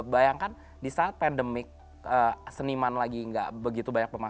bayangkan di saat pandemik seniman lagi nggak begitu banyak pemain